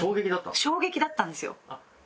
衝撃だったんですよ。